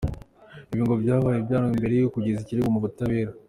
Ibi ngo byakabaye byarahereweho mbere yo kugeza ikirego mu butabera.